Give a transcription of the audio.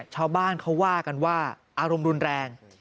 ชาวบ้านเขาว่ากันว่าอารมณ์รุนแรง